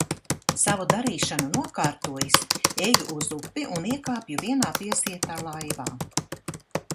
Savu darīšanu nokārtojis, eju uz upi un iekāpju vienā piesietā laivā.